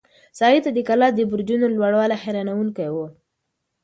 سعید ته د کلا د برجونو لوړوالی حیرانونکی و.